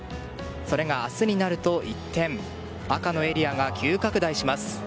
それが明日になると一転赤のエリアが急拡大します。